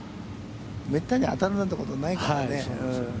めったに当たるということなんてないからね。